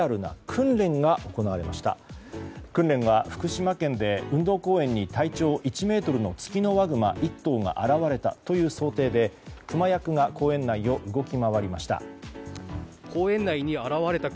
訓練は、福島県で運動公園に体長１ｍのツキノワグマ１頭が現れたという想定でクマ役が公園内を動き回りました。